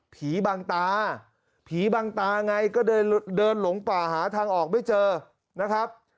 บางตาผีบางตาไงก็เดินหลงป่าหาทางออกไม่เจอนะครับ